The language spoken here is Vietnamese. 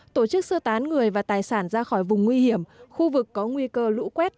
tổ chức sơ tán người và tài sản ra khỏi vùng nguy hiểm khu vực có nguy cơ lũ quét